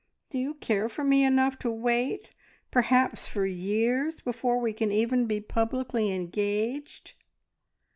Do you care for me enough to wait perhaps for years before we can even be publicly engaged?"